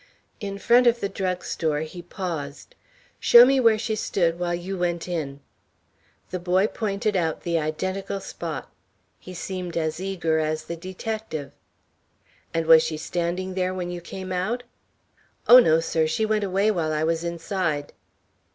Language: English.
In front of the drug store he paused. "Show me where she stood while you went in." The boy pointed out the identical spot. He seemed as eager as the detective. "And was she standing there when you came out?" "Oh, no, sir; she went away while I was inside."